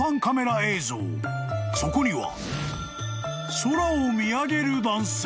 ［そこには］